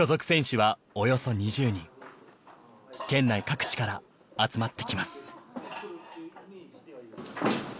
県内各地から集まってきます。